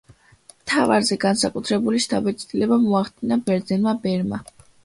მთავარზე განსაკუთრებული შთაბეჭდილება მოახდინა ბერძენმა ბერმა.